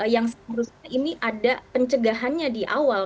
yang seharusnya ini ada pencegahannya di awal